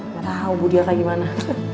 gak tau budiaknya gimana